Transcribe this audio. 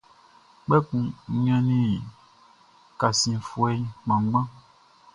Kpɛkun n ɲannin kasiɛnfuɛ kpanngban.